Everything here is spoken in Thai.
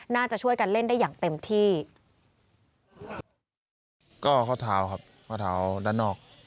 น่าจะช่วยกันเล่นได้อย่างเต็มที่ก็ข้อเท้าครับข้อเท้าด้านนอก